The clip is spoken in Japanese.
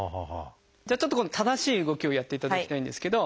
じゃあちょっと今度正しい動きをやっていただきたいんですけど。